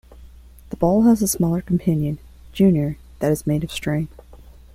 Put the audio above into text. The ball has a smaller companion, "Junior", that is made of string.